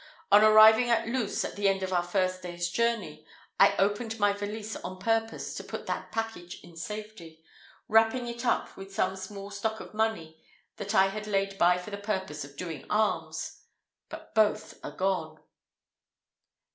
On arriving at Luz, at the end of our first day's journey, I opened my valise on purpose to put that packet in safety, wrapping it up with some small stock of money that I had laid by for the purpose of doing alms; but both are gone."